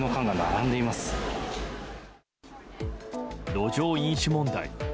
路上飲酒問題。